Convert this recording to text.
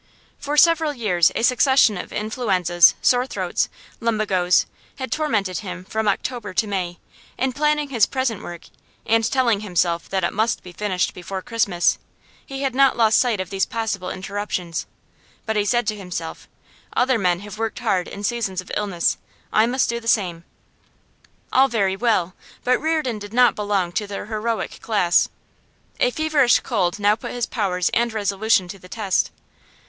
For several years a succession of influenzas, sore throats, lumbagoes, had tormented him from October to May; in planning his present work, and telling himself that it must be finished before Christmas, he had not lost sight of these possible interruptions. But he said to himself: 'Other men have worked hard in seasons of illness; I must do the same.' All very well, but Reardon did not belong to the heroic class. A feverish cold now put his powers and resolution to the test.